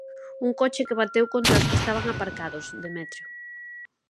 Un coche que bateu contra os que estaban aparcados, Demetrio.